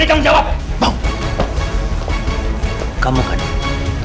kamu yang mayan raja